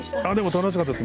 楽しかったです。